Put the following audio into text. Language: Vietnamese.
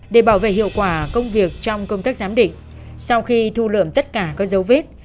để bảo vệ hiệu quả công việc trong công tác giám định sau khi thu lượm tất cả các dấu vết